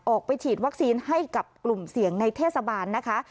ออกไปฉีดวัคซีนให้กับกลุ่มเสี่ยงในเทศบาลนะคะ